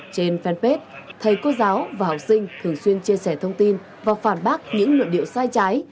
trên fanpage thầy cô giáo và học sinh thường xuyên chia sẻ thông tin và phản bác những luận điệu sai trái